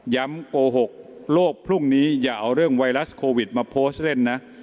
โกหกโลกพรุ่งนี้อย่าเอาเรื่องไวรัสโควิดมาโพสต์เล่นนะ